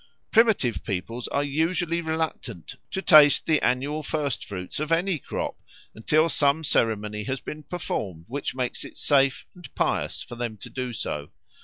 Primitive peoples are usually reluctant to taste the annual first fruits of any crop, until some ceremony has been performed which makes it safe and pious for them to do so.